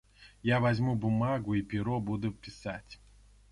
Я возьму бумагу и перо и буду писать.